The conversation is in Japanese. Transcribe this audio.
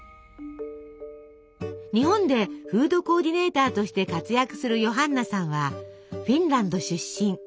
日本でフードコーディネーターとして活躍するヨハンナさんはフィンランド出身。